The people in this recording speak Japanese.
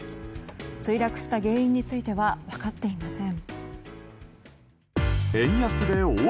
墜落した原因については分かっていません。